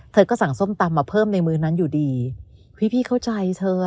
เธอก็สั่งส้มตำมาเพิ่มในมือนั้นอยู่ดีพี่พี่เข้าใจเธอ